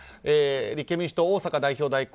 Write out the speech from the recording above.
立憲民主党、逢坂代表代行